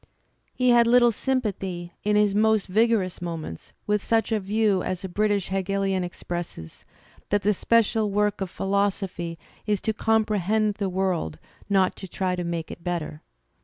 He had little sympathy, in his most vigorous moments, with such a view as a British Hegelian expresses, that the special work of philosophy "is to comprehend the world, not to try to make it better."